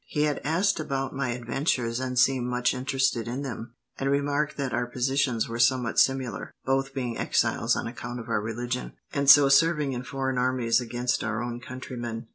He had asked about my adventures, and seemed much interested in them, and remarked that our positions were somewhat similar, both being exiles on account of our religion, and so serving in foreign armies against our own countrymen.